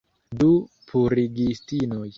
Du purigistinoj.